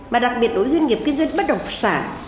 mà đặc biệt đối với doanh nghiệp kinh doanh bất đồng phật sản